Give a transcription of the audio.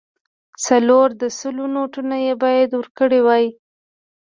څلور د سلو نوټونه یې باید ورکړای وای.